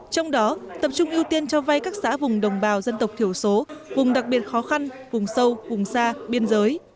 trong đó tập trung ưu tiên cho vay các xã vùng đồng bào dân tộc thiểu số vùng đặc biệt khó khăn vùng sâu vùng xa biên giới